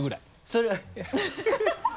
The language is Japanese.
それは